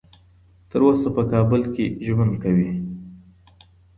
تر اوسه په کابل کې ژوند کوي.